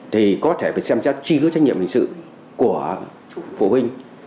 thì có thể phải xem trách trí cứu trách nhiệm hình sự của phụ huynh